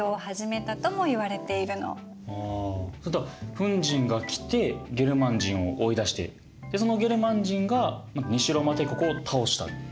フン人が来てゲルマン人を追い出してそのゲルマン人が西ローマ帝国を倒した。